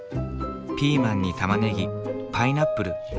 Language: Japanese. ピーマンにタマネギパイナップル。